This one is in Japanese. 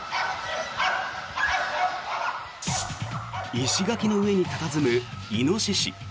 石垣の上に佇むイノシシ。